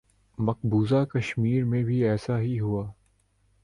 مقبوضہ کشمیر میں بھی ایسا ہی ہوا۔